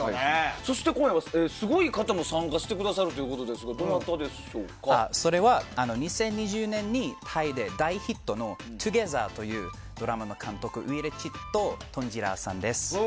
そして今夜、すごい方も参加してくださるということですがそれは２０１７年にタイで大ヒットの「２ｇｅｔｈｅｒ」というドラマの監督のウィーラチット・トーンジラーさんです。